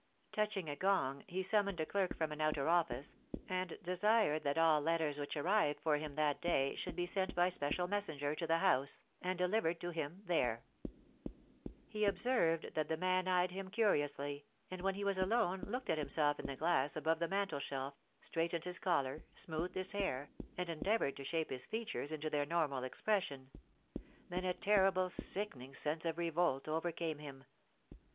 Touch ing a gong, he summoned a clerk from an outer office, and desired that all letters which arrived for him that day should be sent by special messenger to the House, and delivered to him there He observed that the man eyed hifh curiously, and when he was alone looked at himself in the glass above the mantel shelf, straightened his collar, smoothed his hair, and en deavoured to shape his features into their normal expression ; then a terrible, sickening sense of revolt overcame him.